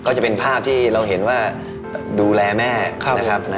แล้วมีภาพที่เราเห็นว่าดูแลแม่นะครับ